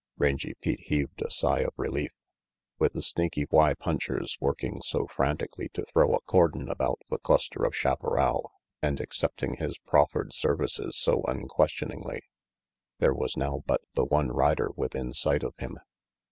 Rangy Pete heaved a sigh of relief. With the Snaky Y punchers working so frantically to throw a cordon about the cluster of chaparral and accepting his proffered services so unquestion ingly, there was now but the one rider within sight of him.